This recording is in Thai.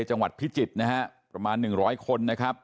จังหวัดพิจิตรนะฮะประมาณหนึ่งร้อยคนนะครับ